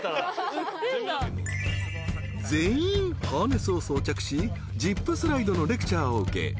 ［全員ハーネスを装着しジップスライドのレクチャーを受け